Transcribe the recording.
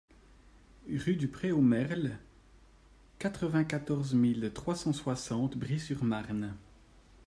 Rue du Pré Aux Merles, quatre-vingt-quatorze mille trois cent soixante Bry-sur-Marne